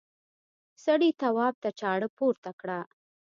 سړي تواب ته چاړه پورته کړه.